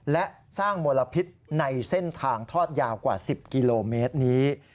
และสร้างมลพิษในเส้นทางทอดยาวกว่า๑๐กิโลเมตรนี้